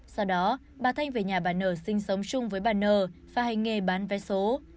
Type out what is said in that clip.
sau đó bà thanh về nhà bà nở sinh sống chung với bà n và hành nghề bán vé số